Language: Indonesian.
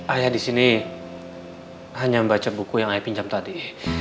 ayah di sini hanya baca buku yang ayah pinjam tadi